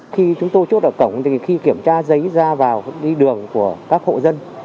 khi chúng tôi chốt ở cổng thì khi kiểm tra giấy ra vào đi đường của các hộ dân